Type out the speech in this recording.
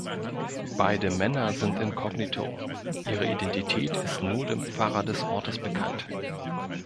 Beide Männer sind inkognito; ihre Identität ist nur dem Pfarrer des Ortes bekannt.